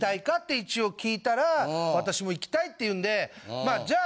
一応聞いたら私も行きたいって言うんでまあじゃあ